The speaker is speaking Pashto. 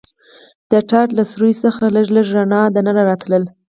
د ټاټ له سوریو څخه لږ لږ رڼا دننه راتله.